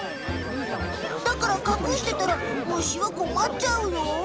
だからかくしてたら虫はこまっちゃうよ？